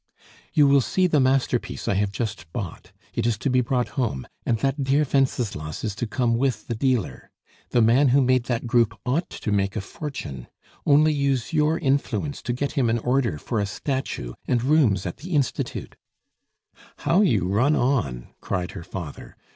"You will see the masterpiece I have just bought; it is to be brought home, and that dear Wenceslas is to come with the dealer. The man who made that group ought to make a fortune; only use your influence to get him an order for a statue, and rooms at the Institut " "How you run on!" cried her father.